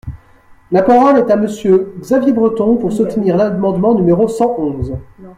La parole est à Monsieur Xavier Breton, pour soutenir l’amendement numéro cent onze.